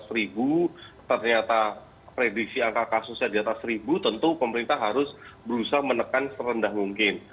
seratus ribu ternyata prediksi angka kasusnya di atas seribu tentu pemerintah harus berusaha menekan serendah mungkin